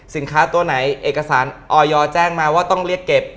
ตัวไหนเอกสารออยแจ้งมาว่าต้องเรียกเก็บ